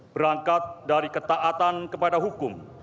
berangkat dari ketaatan kepada hukum